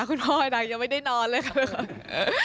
คุณพ่ออาจารย์ยังไม่ได้นอนเลยครับ